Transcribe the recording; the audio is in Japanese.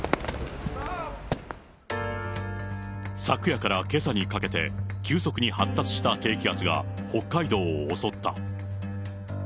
昨夜からけさにかけて、急速に発達した低気圧が北海道を襲った。